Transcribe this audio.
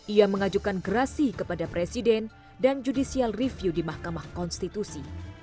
ia mengajukan gerasi kepada presiden dan judicial review di mahkamah konstitusi